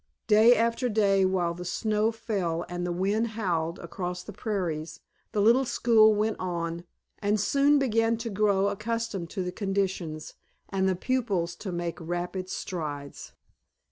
Day after day while the snow fell and the wind howled across the prairies the little school went on, and soon began to grow accustomed to the conditions, and the pupils to make rapid strides.